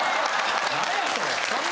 何やそれ！